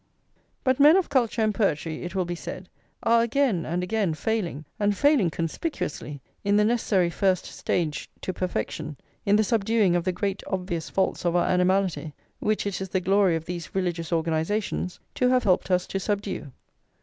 But men of culture and poetry, it will be said, are again and again failing, and failing conspicuously, in the necessary first stage to perfection, in the subduing of the great obvious faults of our animality, which it is the glory of these religious organisations to have helped us to subdue.